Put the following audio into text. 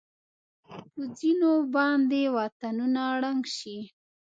په ځېنو باندې وطنونه ړنګ شي.